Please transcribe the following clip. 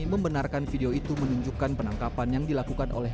membenarkan video itu menunjukkan penangkapan yang dilakukan oleh